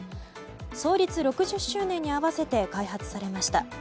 創立６０周年に合わせて開発されました。